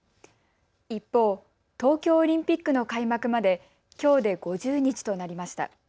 一方、東京オリンピックの開幕まできょうで５０日となりました。